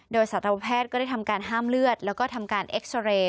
โดยสัตวแพทย์ก็ได้ทำการห้ามเลือดแล้วก็ทำการเอ็กซาเรย์